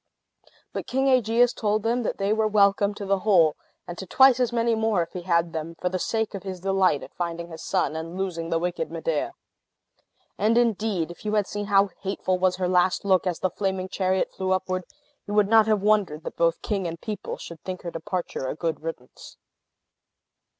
But King Aegeus told them that they were welcome to the whole, and to twice as many more, if he had them, for the sake of his delight at finding his son, and losing the wicked Medea. And, indeed, if you had seen how hateful was her last look, as the flaming chariot flew upward, you would not have wondered that both king and people should think her departure a good riddance.